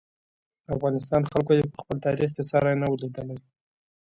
افغانستان خلکو یې په خپل تاریخ کې ساری نه و لیدلی.